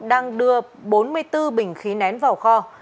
đang đưa bốn mươi bốn bình khí nén vào kho